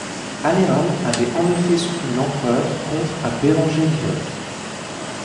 Alérame avait en effet soutenu l'empereur contre à Bérenger d'Ivrée.